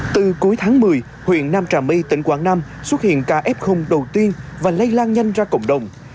từ cuối tháng một mươi huyện nam trà my tỉnh quảng nam xuất hiện ca f đầu tiên và lây lan nhanh ra cộng đồng